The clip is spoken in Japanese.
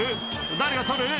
誰が捕る？